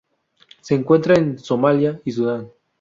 Se encuentra en Somalia y Sudán.